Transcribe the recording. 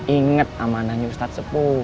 ingat amanahnya ustadzepu